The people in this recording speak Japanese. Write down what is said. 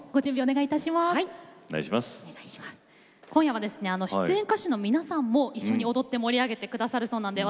今夜は出演の歌手の皆さんも一緒に踊って盛り上げてくださるそうです。